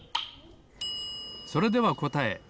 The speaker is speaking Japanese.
それではこたえ。